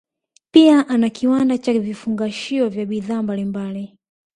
Pia ana kiwanda cha vifungashio vya bidhaa mbalimbali